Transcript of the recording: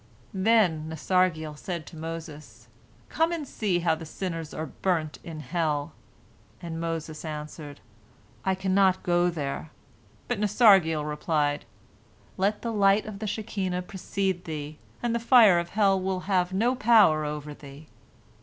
Then Nasargiel said to Moses: "Come and see how the sinners are burnt in hell," and Moses answered, "I cannot go there," but Nasargiel replied, "Let the light of the Shekinah precede thee, and the fire of hell will have no power over thee."